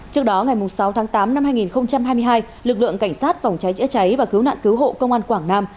trước đó ngày sáu tháng tám năm hai nghìn hai mươi hai lực lượng cảnh sát phòng cháy chữa cháy và cứu nạn cứu hộ công an quảng nam